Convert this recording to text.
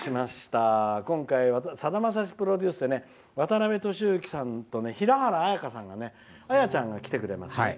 今回さだまさしプロデュースで渡辺俊幸さんと平原綾香さんが来てくれます。